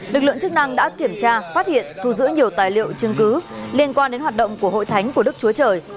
lực lượng chức năng đã kiểm tra phát hiện thu giữ nhiều tài liệu chứng cứ liên quan đến hoạt động của hội thánh của đức chúa trời